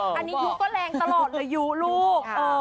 ใช่อันนี้ยูก็แรงตลอดนะยูลูก